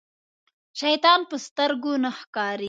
شيطان په سترګو نه ښکاري.